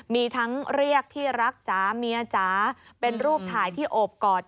มีทั้งเรียกที่รักจ๋าเมียจ๋าเป็นรูปถ่ายที่โอบกอด